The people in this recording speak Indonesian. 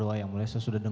sekarang octopus pumpkins